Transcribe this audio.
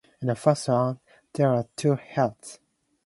In the first round, there were two heats.